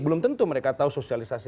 belum tentu mereka tahu sosialisasi